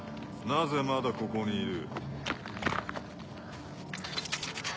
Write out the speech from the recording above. なぜまだここにいる？